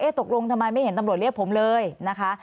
ตกลงทำไมไม่เห็นตำรวจเรียกผมเลยนะคะ